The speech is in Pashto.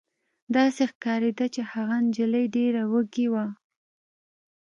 داسې ښکارېده چې هغه نجلۍ ډېره وږې وه